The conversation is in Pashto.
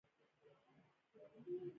د سړکونو د پراختیا او د ښاري ښکلا